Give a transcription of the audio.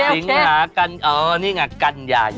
สิงหากันอะนี่ไงกันยะยนต์